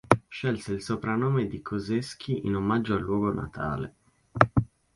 Scelse il soprannome di Koseski in omaggio al luogo natale.